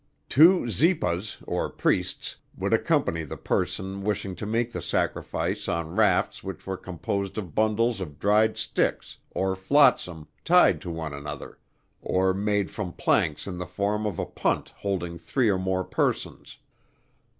Two zipas, or priests, would accompany the person wishing to make the sacrifice on rafts which were composed of bundles of dried sticks or flotsam, tied one to another, or made from planks in the form of a punt holding three or more persons.